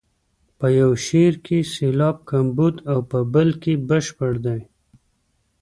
په یو شعر کې سېلاب کمبود او په بل کې بشپړ دی.